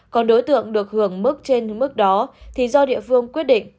còn đối tượng được hưởng mức trên mức đó thì do địa phương quyết định